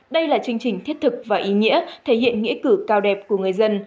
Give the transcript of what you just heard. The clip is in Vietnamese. đây là chương trình thiết thực và ý nghĩa thể hiện nghĩa cử cao đẹp của người dân